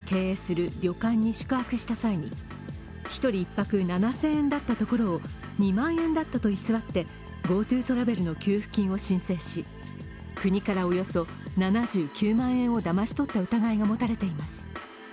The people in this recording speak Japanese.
野球部の合宿で部員ら延べ１１３人で吉間容疑者が経営する旅館に宿泊した際に１人１泊７０００円だったところ、２万円だったと偽ってＧｏＴｏトラベルの給付金を申請し国からおよそ７９万円をだまし取った疑いが持たれています。